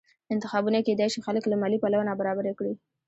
انتخابونه کېدای شي خلک له مالي پلوه نابرابره کړي